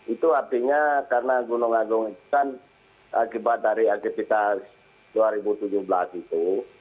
itu artinya karena gunung agung itu kan akibat dari aktivitas dua ribu tujuh belas itu